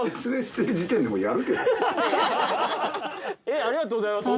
えっありがとうございます！